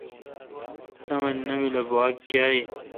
سامان نامل اؘ باگ کیا این۔